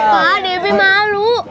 pak debbie malu